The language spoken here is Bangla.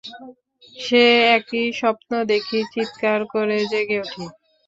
সে একই স্বপ্ন দেখি, চিৎকার করে জেগে উঠি।